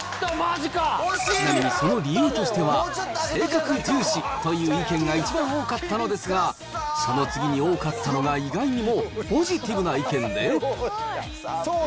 ちなみにその理由としては、性格重視という意見が一番多かったのですが、その次に多かったのが、あり、あり。